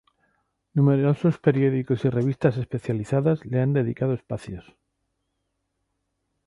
Numerosos periódicos y revistas especializadas le han dedicado espacios.